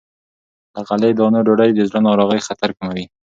له غلې- دانو ډوډۍ د زړه ناروغۍ خطر کموي.